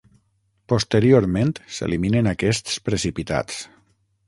Posteriorment, s'eliminen aquests precipitats.